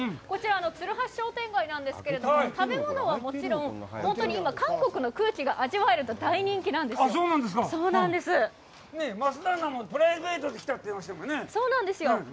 こちら、鶴橋商店街なんですけれども、食べ物はもちろん、本当に今、韓国の空気が味わえると大人気なんですよ。